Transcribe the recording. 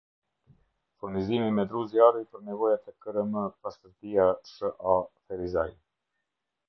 Furnizimi me dru zjarri për nevojat e krmpastërtiash.a.-ferizaj